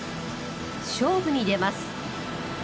勝負に出ます。